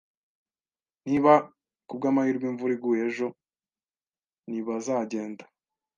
Niba ku bw'amahirwe imvura iguye ejo, ntibazagenda.